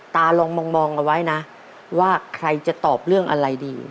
ลองมองเอาไว้นะว่าใครจะตอบเรื่องอะไรดี